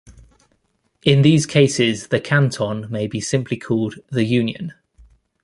In these cases, the canton may be called simply the union.